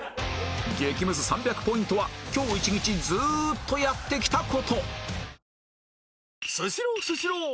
激むず３００ポイントは今日一日ずっとやってきた事